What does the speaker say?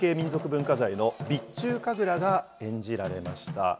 文化財の備中神楽が演じられました。